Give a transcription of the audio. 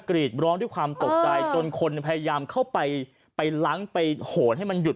กรีดร้องด้วยความตกใจจนคนพยายามเข้าไปไปล้างไปโหนให้มันหยุด